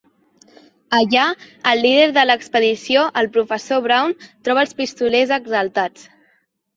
Allà, el líder de l'expedició, el professor Brown, troba els pistolers exaltats.